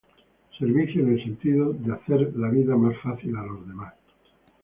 Servicio en el sentido de hacer la vida más fácil a los demás.